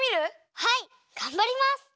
はいがんばります！